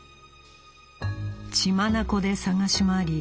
血眼で捜し回り